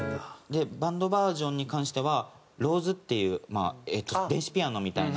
でバンドバージョンに関してはローズっていうまあ電子ピアノみたいな。